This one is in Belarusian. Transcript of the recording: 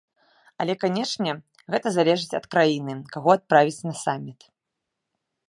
Але канечне, гэта залежыць ад краіны, каго адправіць на саміт.